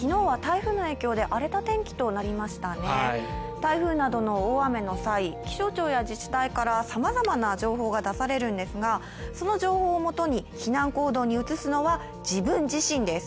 台風などの大雨の際、気象庁や自治体からさまざまな情報が出されるんですが、その情報をもとに避難行動に移すのは自分自身です。